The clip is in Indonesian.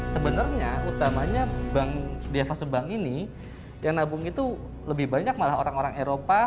sebenarnya utamanya bank javasebank ini yang nabung itu lebih banyak malah orang orang eropa